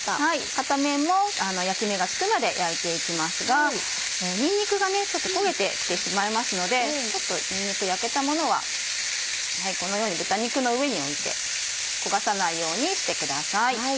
片面も焼き目がつくまで焼いて行きますがにんにくがちょっと焦げて来てしまいますのでにんにく焼けたものはこのように豚肉の上に置いて焦がさないようにしてください。